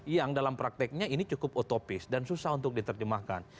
yang dalam prakteknya ini cukup otopis dan susah untuk diterjemahkan